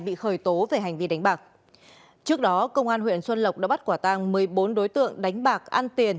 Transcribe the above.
bị khởi tố về hành vi đánh bạc trước đó công an huyện xuân lộc đã bắt quả tàng một mươi bốn đối tượng đánh bạc ăn tiền